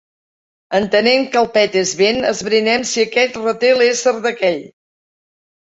Entenent que el pet és vent, esbrinem si aquest reté l'ésser d'aquell.